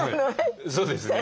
そうですね。